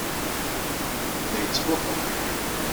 La yettfuḥu.